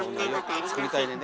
作りたいねんで。